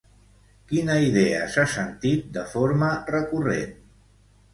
Quina idea s'ha sentit de forma recurrent?